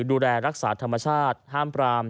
ดูแลรักษาธรรมชาติห้ามปราม